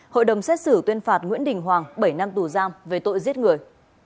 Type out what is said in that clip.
hội đồng xét xử tuyên phạt nguyễn đình hoàng bảy năm tù giam về tội giết người